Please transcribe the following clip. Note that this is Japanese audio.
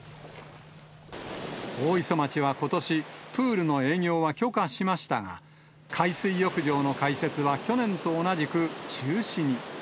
大磯町はことし、プールの営業は許可しましたが、海水浴場の開設は去年と同じく中止に。